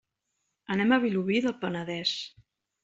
Anem a Vilobí del Penedès.